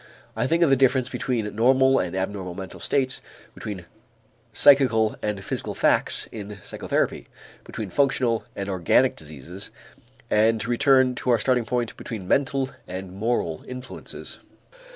I think of the difference between normal and abnormal mental states, between psychical and physical facts in psychotherapy, between functional and organic diseases, and to return to our starting point, between mental and moral influences.